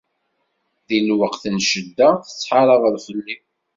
Di lweqt n ccedda, tettḥarabeḍ fell-i.